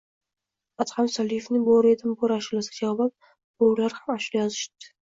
Adham Soliyevning "Bo'ri edim, bo'ri!" ashulasiga javoban bo'rilar ham ashula yozishibdi